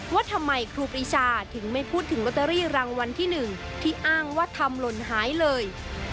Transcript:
ว่าทำไมครูปรีชาถึงไม่พูดถึงลอตเตอรี่รางวัลที่๑ที่อ้างว่าทำหล่นหายเลย